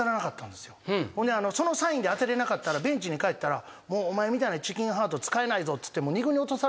そのサインで当てれなかったらベンチにかえったらもうお前みたいなチキンハート使えないぞっつって。